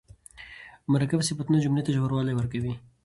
مرکب صفتونه جملې ته ژوروالی ورکوي.